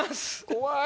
怖い。